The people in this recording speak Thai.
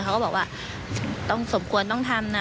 เขาก็บอกว่าต้องสมควรต้องทำนะ